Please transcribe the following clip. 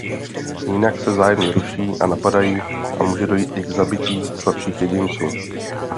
Jinak se vzájemně ruší a napadají a může dojít i k zabití slabších jedinců.